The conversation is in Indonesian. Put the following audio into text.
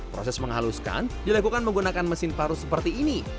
proses menghaluskan dilakukan menggunakan mesin paru seperti ini